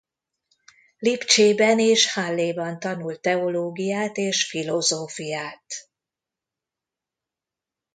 Lipcsében és Halléban tanult teológiát és filozófiát.